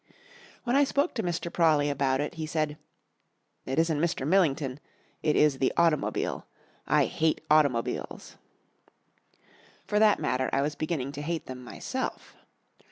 When I spoke to Mr. Prawley about it he said, "It isn't Mr. Millington. It is the automobile. I hate automobiles!" For that matter, I was beginning to hate them myself.